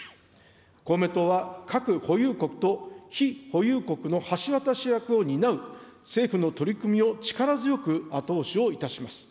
公明党は核保有国と非保有国の橋渡し役を担う政府の取り組みを力強く後押しをいたします。